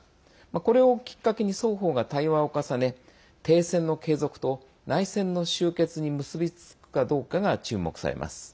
これをきっかけに双方が対話を重ね停戦の継続と内戦の終結に結び付くかどうかが期待されます。